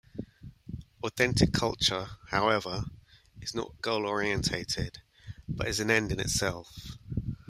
Authentic culture, however, is not goal-oriented, but is an end in itself.